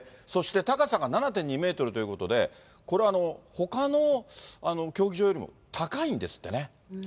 そして高さが７．２メートルということで、これはほかの競技場よりも高いんですってね。